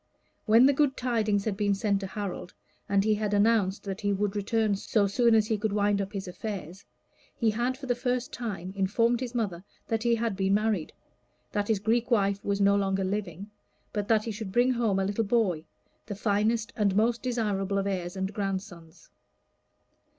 When the good tidings had been sent to Harold, and he had announced that he would return so soon as he could wind up his affairs, he had for the first time informed his mother that he had been married, that his Greek wife was no longer living, but that he should bring home a little boy, the finest and most desirable of heirs and grandsons.